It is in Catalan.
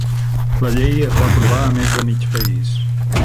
La llei es va aprovar a més de mig país.